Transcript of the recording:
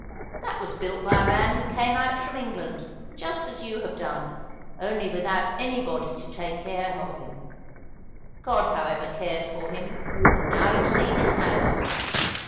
That was built by a man who came out from England just as you have done, only without anybody to take care of him; God however cared for him, and now you see his house.